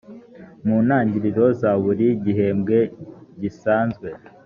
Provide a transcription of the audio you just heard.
mu ntangiriro za buri gihembwe gisanzwe